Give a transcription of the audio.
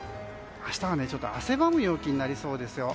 明日はちょっと汗ばむ陽気になりそうですよ。